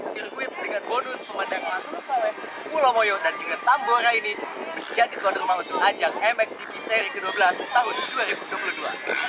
sirkuit dengan bonus pemandangan pulau moyo dan juga tambora ini menjadi tuan rumah untuk ajang mxgp seri ke dua belas tahun dua ribu dua puluh dua